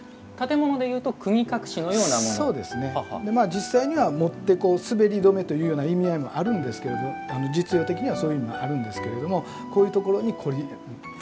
実際には持って滑り止めというような意味合いもあるんですけれど実用的にはそういう意味もあるんですけれどもこういうところに凝ったというか。